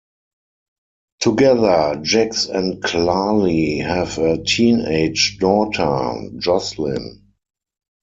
Together, Jax and Carly have a teenage daughter, Josslyn.